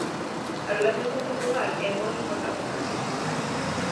A relación con Portugal é moi importante para nós.